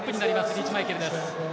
リーチマイケルです。